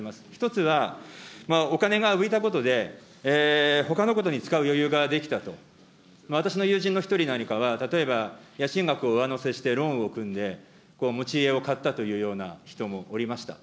１つは、お金が浮いたことで、ほかのことに使う余裕ができたと、私の友人の１人なんかは、例えば、家賃額を上乗せしてローンを組んで、持ち家を買ったというような人もおりました。